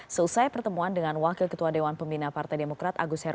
selesai pertemuan dengan wakil ketua pemina partai demokrat agus hermanto